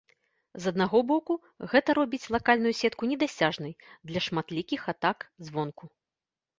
З аднаго боку, гэта робіць лакальную сетку недасяжнай для шматлікіх атак звонку.